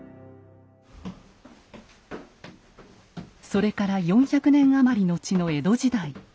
それから４００年余り後の江戸時代。